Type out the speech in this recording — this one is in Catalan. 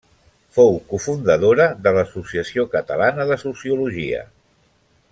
Fou cofundadora de l’Associació Catalana de Sociologia.